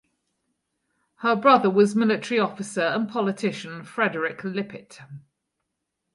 Her brother was military officer and politician Frederick Lippitt.